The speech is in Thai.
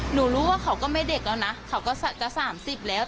หนูรู้ว่าเขาก็ไม่เด็กแล้วนะเขาก็จะ๓๐แล้ว